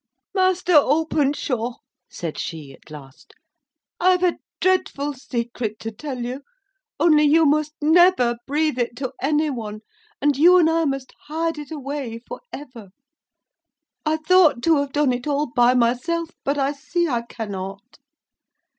"Master Openshaw," said she, at last, "I've a dreadful secret to tell you—only you must never breathe it to any one, and you and I must hide it away for ever. I thought to have done it all by myself, but I see I cannot.